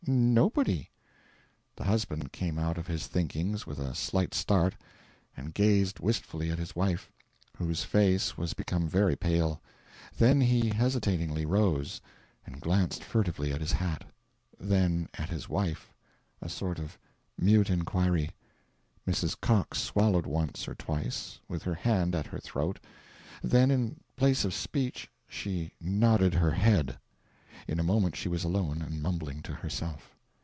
nobody." The husband came out of his thinkings with a slight start, and gazed wistfully at his wife, whose face was become very pale; then he hesitatingly rose, and glanced furtively at his hat, then at his wife a sort of mute inquiry. Mrs. Cox swallowed once or twice, with her hand at her throat, then in place of speech she nodded her head. In a moment she was alone, and mumbling to herself.